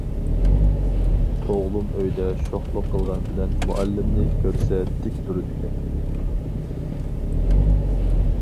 ئوغلۇم ئۆيدە شوخلۇق قىلغان بىلەن مۇئەللىمنى كۆرسە تىك تۇرىدىكەن.